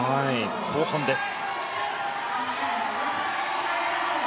後半です。